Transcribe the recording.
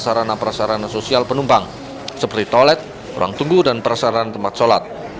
sarana prasarana sosial penumpang seperti toilet ruang tunggu dan perasarana tempat sholat